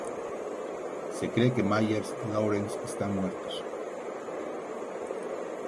Se cree que Myers y Lawrence están muertos.